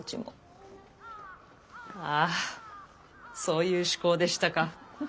あそういう趣向でしたか。